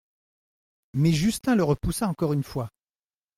Mais Justin le repoussa encore une fois.